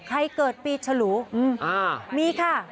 เกิดปีฉลูมีค่ะ